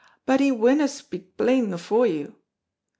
"But he winna speak plain afore you."